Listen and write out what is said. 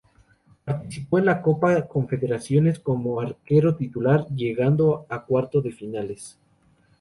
Participó en la copa confederaciones como arquero titular, llegando a cuarto de finales.